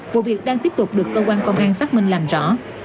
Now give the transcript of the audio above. vụ việc đang tiếp tục được cơ quan công an xác minh làm rõ